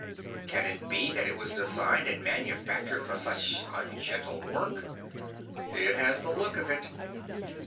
Can it be that it was designed and manufactured for such ungentle work? It has the look of it.